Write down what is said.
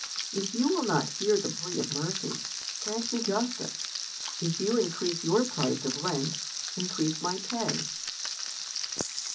If you v»'ill not hear the plea of mercy, grant me justice. If you increase your price of rent, increase my pay.